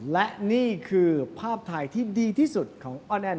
และนี่คือภาพถ่ายที่ดีที่สุดของอ้อแอน